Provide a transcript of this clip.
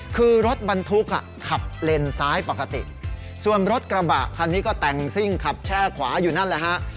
คือรถบรรทุกอ่ะขับเลนซ้ายปกติส่วนรถกระบะคันนี้ก็แต่งซิ่งขับแช่ขวาอยู่นั่นแหละฮะ